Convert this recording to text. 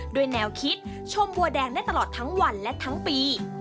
ด้วยแนวคิดชมบัวแดงได้ตลอดทั้งวันและทั้งปี